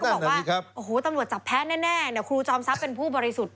บอกว่าโอ้โหตำรวจจับแพ้แน่ครูจอมทรัพย์เป็นผู้บริสุทธิ์